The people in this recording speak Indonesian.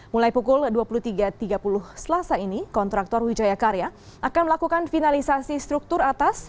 mulai pukul dua puluh tiga tiga puluh selasa ini kontraktor wijaya karya akan melakukan finalisasi struktur atas